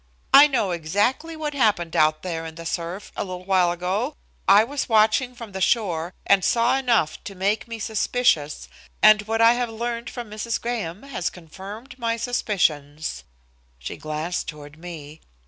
"I know exactly what happened out there in the surf a little while ago. I was watching from the shore, and saw enough to make me suspicious, and what I have learned from Mrs. Graham has confirmed my suspicions." She glanced toward me.